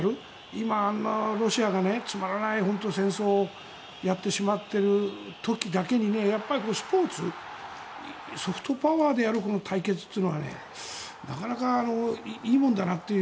今、ロシアがつまらない戦争をやってしまっている時だけにスポーツ、ソフトパワーでやる対決というのはなかなかいいものだなという。